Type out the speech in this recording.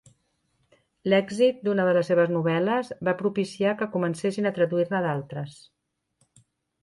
L'èxit d'una de les seves novel·les va propiciar que comencessin a traduir-ne d'altres.